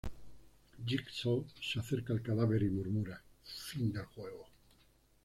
Jigsaw se acerca al cadáver y murmura "Fin del juego".